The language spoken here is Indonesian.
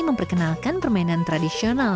memperkenalkan permainan tradisional